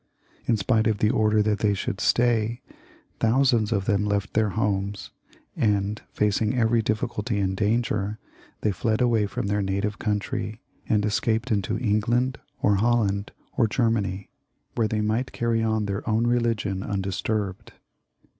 In spite of the order that they should stay, thousands of them left their homes, and, in spite of every diflSculty and danger, they fled away from their native country and escaped into England, or Holland, or Germany, where they might carry on their own religion undisturbed.